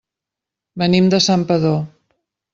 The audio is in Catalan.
Venim de Santpedor.